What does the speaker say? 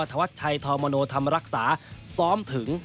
ธวัชชัยธอมโมโนทำรักษาซ้อมถึง